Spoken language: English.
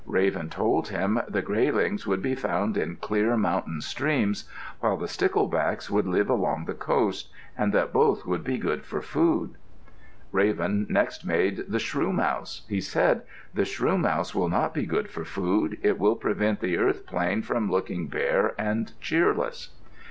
Raven told him the graylings would be found in clear mountain streams, while the sticklebacks would live along the coast, and that both would be good for food. Raven next made the shrewmouse. He said, "The shrewmouse will not be good for food. It will prevent the earth plain from looking bare and cheerless."